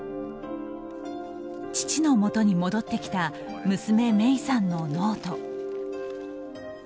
父の元に戻ってきた娘・芽生さんのノート。